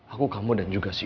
aku kamu dan juga si